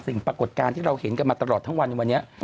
ปรากฏการณ์ที่เราเห็นกันมาตลอดทั้งวันในวันนี้